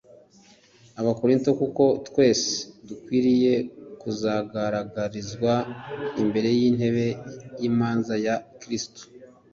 Abakorinto "Kuko twese dukwiriye kuzagaragarizwa imbere y'intebe y'imanza ya Kristo